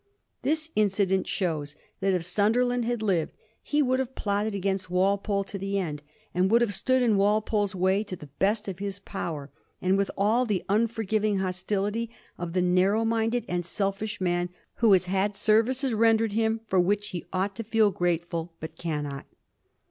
This incident shows that, if Sunderland had lived, he would have plotted against Walpole to the end, and would have stood in Walpole's way to the best of his power, and with all the unforgiving hostility of the narrow minded and selfish man who has had services rendered him for which he ought to feel grateful, but cannot.